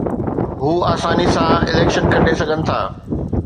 هو آساني سان اليڪشن کٽي سگهن ٿا